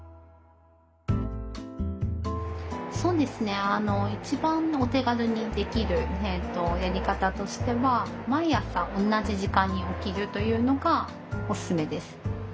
そうですね一番お手軽にできるやり方としては毎朝同じ時間に起きるというのがおすすめです。